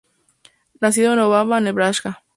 Nacido en Omaha, Nebraska.